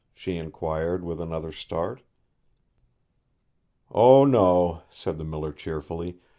she inquired, with another start. 'O no,' said the miller cheerfully.